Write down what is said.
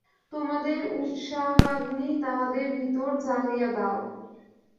তোমাদের উৎসাহাগ্নি তাহাদের ভিতর জ্বালিয়া দাও।